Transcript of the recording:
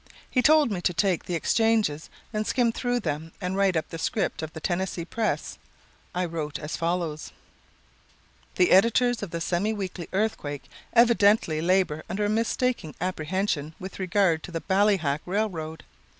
He told me to take the exchanges and skim through them and write up the 'Script of the Tennessee Press.' I wrote as follows: "'The editors of The Semi Weekly Earthquake evidently labor under a mistaken apprehension with regard to the Ballyhack Railroad.